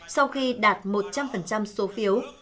sau khi đạt một trăm linh số phiếu